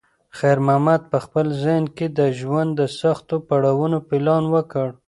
خیر محمد په خپل ذهن کې د ژوند د سختو پړاوونو پلان وکړ.